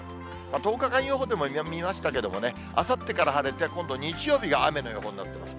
１０日間予報でも見ましたけどもね、あさってから晴れて、今度、日曜日が雨の予報になっています。